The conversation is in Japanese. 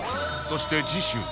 そして次週